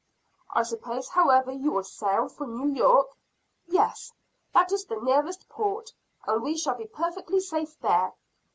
"I suppose however you will sail for New York?" "Yes, that is the nearest port and we shall be perfectly safe there.